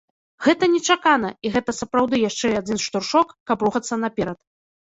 Гэта нечакана, і гэта сапраўды яшчэ адзін штуршок, каб рухацца наперад.